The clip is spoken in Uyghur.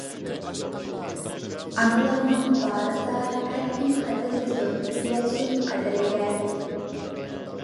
ئانىلارنىڭ بارىدا ھەركىم، قەدىرلىسۇن، يەتسۇن قەدرىگە.